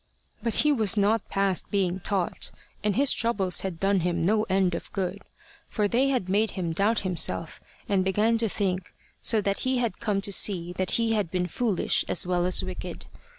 But he was not past being taught, and his troubles had done him no end of good, for they had made him doubt himself, and begin to think, so that he had come to see that he had been foolish as well as wicked.